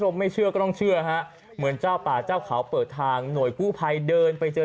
ไม่เชื่อก็ต้องเชื่อฮะเหมือนเจ้าป่าเจ้าเขาเปิดทางหน่วยกู้ภัยเดินไปเจอ